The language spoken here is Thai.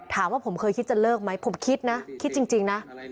ถามว่าผมเคยคิดจะเลิกไหมผมคิดนะคิดจริงนะ